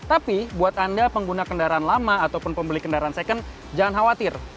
tapi buat anda pengguna kendaraan lama ataupun pembeli kendaraan second jangan khawatir